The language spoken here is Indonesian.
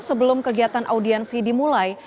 sebelum kegiatan audiensi dimulai